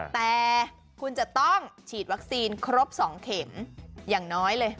แต่คุณจะต้องฉีดวัคซีนครบ๒เข็มอย่างน้อยเลย